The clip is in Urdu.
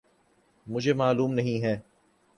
مجھے معلوم نہیں ہے۔